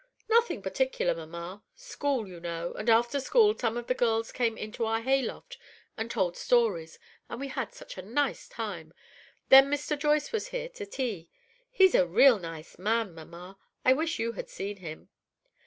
"Nothing particular, mamma. School, you know; and after school, some of the girls came into our hayloft and told stories, and we had such a nice time. Then Mr. Joyce was here to tea. He's a real nice man, mamma. I wish you had seen him."